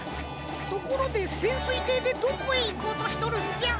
ところでせんすいていでどこへいこうとしとるんじゃ？